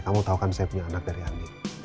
kamu tau kan saya punya anak dari ambil